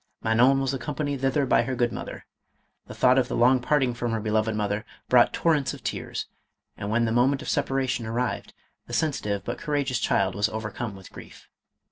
Manon was accompanied thither by her good mother. The thought of the long parting from her beloved mother brought torrents of tears, and when the moment of separation arrived, the sensitive but courageous child was overcome with grief.